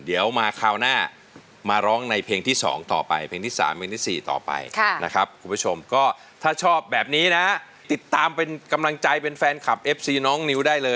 เดี๋ยวมาคราวหน้ามาร้องในเพลงที่สองต่อไปเพลงที่สามเพลงที่สี่ต่อไป